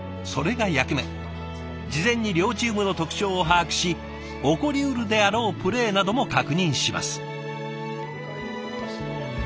事前に両チームの特徴を把握し起こりうるであろうプレーなども確認します。